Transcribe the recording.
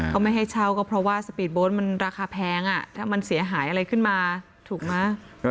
เขาไม่ให้เช่าก็เพราะว่าสปีดโบ๊ทมันราคาแพงถ้ามันเสียหายอะไรขึ้นมาถูกไหม